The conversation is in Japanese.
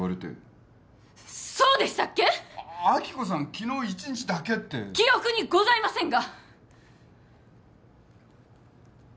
昨日一日だけって記憶にございませんが！